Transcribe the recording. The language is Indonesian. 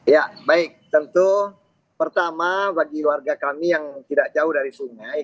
ya baik tentu pertama bagi warga kami yang tidak jauh dari sungai